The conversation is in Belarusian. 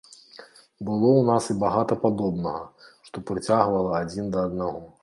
Было ў нас і багата падобнага, што прыцягвала адзін да аднаго.